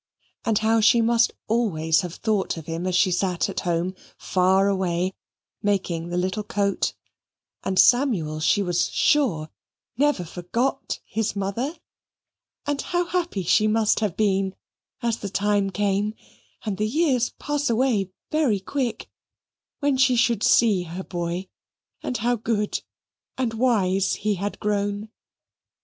And how she must always have thought of him as she sat at home, far away, making the little coat; and Samuel, she was sure, never forgot his mother; and how happy she must have been as the time came (and the years pass away very quick) when she should see her boy and how good and wise he had grown.